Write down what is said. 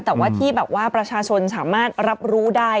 แต่ว่าที่แบบว่าประชาชนสามารถรับรู้ได้